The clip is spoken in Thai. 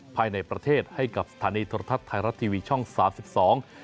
ภายในประเทศให้กับสถานีโทรทัศน์ไทยรัฐทีวีช่องสามสิบสอง